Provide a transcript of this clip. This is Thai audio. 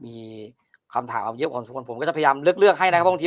มีคำถามเยอะของทุกคนผมก็จะพยายามเลือกเลือกให้แล้วที่